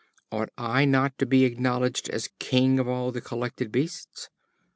Ought I not to be acknowledged as King of all the collected beasts?"